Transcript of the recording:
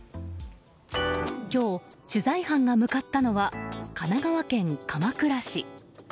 今日、取材班が向かったのは神奈川県鎌倉市。